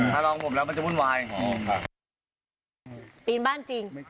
ปีนบ้านจริง